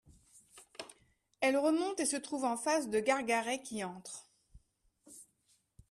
Elle remonte et se trouve en face de Gargaret qui entre.